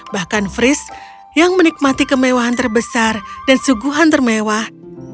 bahkan fris yang menikmati kemewahan terbesar dan suguhan termewah